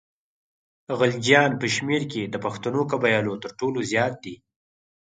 غلجیان په شمېر کې د پښتنو قبایلو تر ټولو زیات دي.